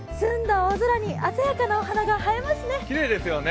青空に鮮やかなお花が映えますね。